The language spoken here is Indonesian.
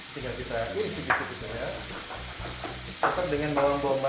tinggal kita isi sedikit sedikit aja